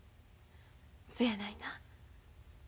そやないな？